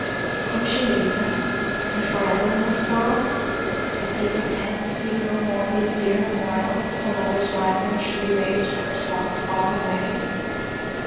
Could she leave them? and for ever in this world? and be content to see no more these dear memorials till others like them should be raised for herself, far away?